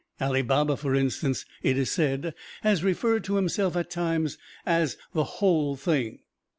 Ali Baba, for instance, it is said, has referred to himself, at times, as the Whole Thing.